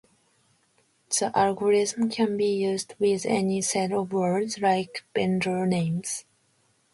The algorithm can be used with any set of words, like vendor names.